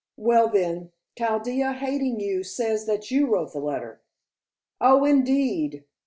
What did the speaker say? "Well, then, Chaldea hating you, says that you wrote the letter." "Oh, indeed."